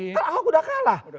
karena ahok udah kalah